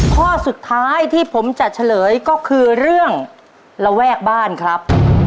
ข้อสุดท้ายที่ผมจะเฉลยก็คือเรื่องระแวกบ้านครับ